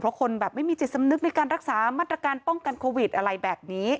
เพราะคนแบบไม่มีจิตสำนึกในการรักษามาตรการป้องกันโควิดอะไรแบบนี้